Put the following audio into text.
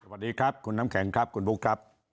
สวัสดีครับคุณน้ำแข็งครับคุณบุ๊คครับ